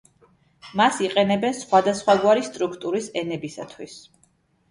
მას იყენებენ სხვადასხვაგვარი სტრუქტურის ენებისათვის.